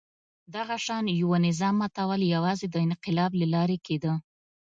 دغه شان یوه نظام ماتول یوازې د انقلاب له لارې کېده.